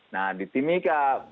nah di timika